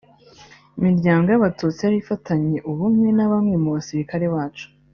imiryango y’abatutsi yari ifitanye ubumwe na bamwe mu basirikari bacu